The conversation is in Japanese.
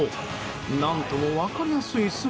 何とも分かりやすい姿。